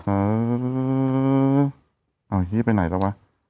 เออเอาที่ไปไหนแล้ววะ